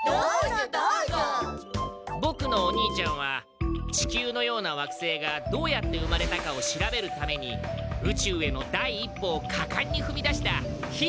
ボクのお兄ちゃんは地球のような惑星がどうやって生まれたかを調べるために宇宙への第一歩をかかんにふみ出したヒーローなんだ。